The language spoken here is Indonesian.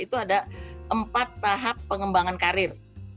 itu ada empat tahap pengembangan karir